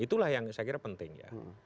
itulah yang saya kira penting ya